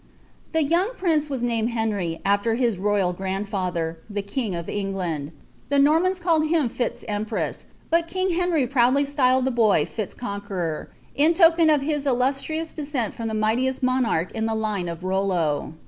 The young prince was named Henry, after his royal grand&ther, the king of England. The Normans called him Fitz Empress, but king Henry proudly styled the boy Fitz Conqueror, in token of his illustrious deseent from the mightiest monarch of the line of Rollo.